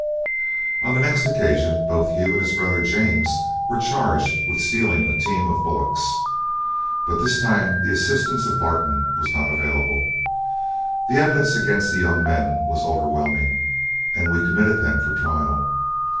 On the next occasion both Hugh and his brother James were charged with stealing a team of bullocks, but this time the assistance of Barton was not available. The evidence against the young men was overwhelming, and we committed them for trial.